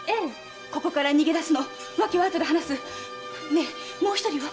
ねえもう一人は？